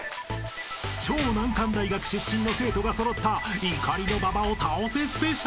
［超難関大学出身の生徒が揃った怒りの馬場を倒せＳＰ］